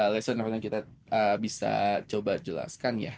lesion apa yang kita bisa coba jelaskan ya